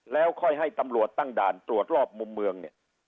แล้วค่อยให้ตำรวจตั้งด่านตรวจรอบมุมเมืองเนี่ย